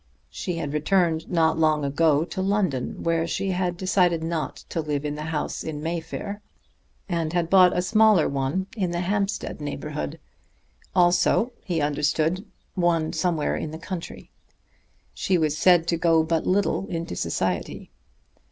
She had returned not long ago to London, where she had decided not to live in the house in Mayfair, and had bought a smaller one in the Hampstead neighborhood; also, he understood, one somewhere in the country. She was said to go but little into society.